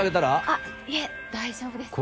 あっいえ大丈夫です。